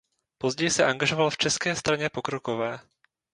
Později se angažoval v České straně pokrokové.